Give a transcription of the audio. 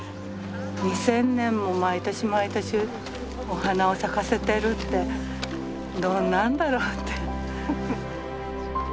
２，０００年も毎年毎年お花を咲かせてるってどんなんだろうって。